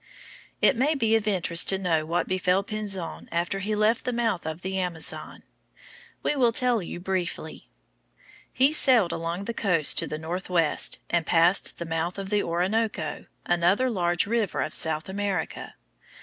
It may be of interest to know what befell Pinzon after he left the mouth of the Amazon. We will tell you briefly. He sailed along the coast to the northwest, and passed the mouth of the Orinoco, another large river of South America.